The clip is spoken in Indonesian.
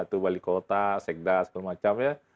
itu balai kota segdas segala macam ya